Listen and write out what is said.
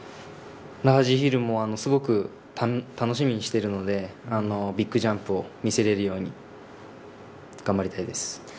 ラージヒルもすごく楽しみにしているのでビッグジャンプを見せれるように頑張りたいです。